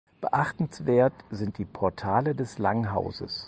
Beachtenswert sind die Portale des Langhauses.